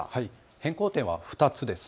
変更点は２つです。